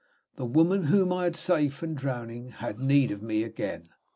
The woman whom I had saved from drowning had need of me again.